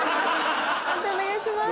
判定お願いします。